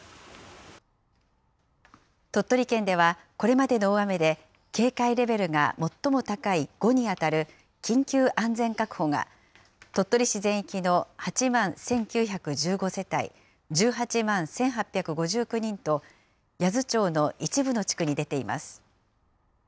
鳥取県では、これまでの大雨で、警戒レベルが最も高い５に当たる緊急安全確保が、鳥取市全域の８万１９１５世帯１８万１８５９人と、八頭町の一部の地区に出ています。